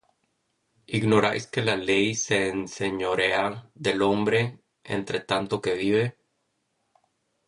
¿Ignorais, que la ley se enseñorea del hombre entre tanto que vive?